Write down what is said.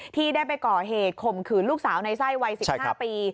ที่ได้ไปก่อเหตุข่มขืนลูกสาวในไส้วัย๑๕ปี